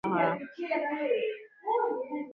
Linalopatikana katika familia ya lugha ya Nilo Sahara